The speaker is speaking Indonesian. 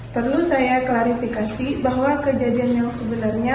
perlu saya klarifikasi bahwa kejadian yang sebenarnya